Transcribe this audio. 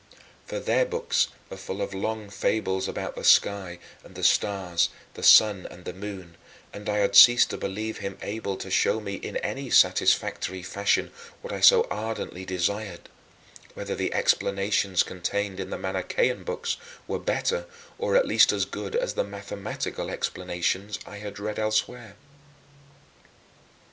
For their books are full of long fables about the sky and the stars, the sun and the moon; and I had ceased to believe him able to show me in any satisfactory fashion what I so ardently desired: whether the explanations contained in the Manichean books were better or at least as good as the mathematical explanations I had read elsewhere.